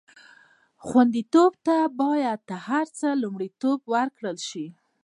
خوندیتوب ته باید تر هر څه لومړیتوب ورکړل شي.